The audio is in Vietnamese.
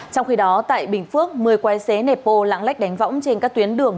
trong khi đó tại bình phước một mươi quái xế nẹp bô lãng lách đánh võng trên các tuyến đường